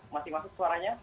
masih masuk suaranya